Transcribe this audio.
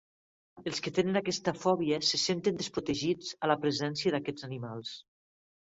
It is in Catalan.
Els que tenen aquesta fòbia se senten desprotegits a la presència d'aquests animals.